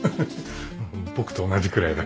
僕と同じくらいだ。